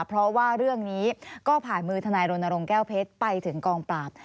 เพราะว่าเรื่องนี้ก็ผ่านมือทนายรณรงค์แก้วเพชรไปถึงกองปราบ